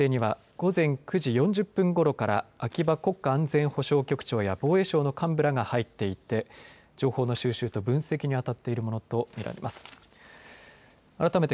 総理大臣官邸には午前９時４０分ごろから秋葉国家安全保障局長や防衛省の幹部らが入っていて情報の収集と分析にあたっているものと見られます。